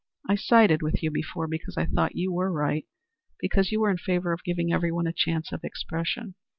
I sided with you before because I thought you were right because you were in favor of giving everyone a chance of expression.